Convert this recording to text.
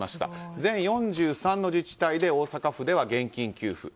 全４３の自治体で大阪府では現金給付。